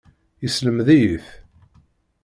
Yeslemed-iyi-t.